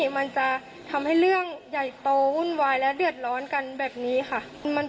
มันจะทำให้เรื่องใหญ่โตวุ่นวายและเดือดร้อนกันแบบนี้ค่ะ